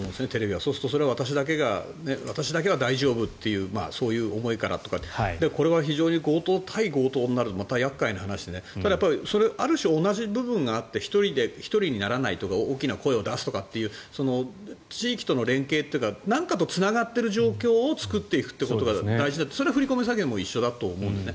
そうすると、私だけは大丈夫ってそういう思いからとかこれは非常に対強盗になるとまた厄介な話でただ、それある種、同じ部分があって１人にならないとか大きな声を出すとかっていう地域との連携というかなんかとつながっている状況を作っていくことが大事でそれは振り込め詐欺でも一緒だと思うんですね。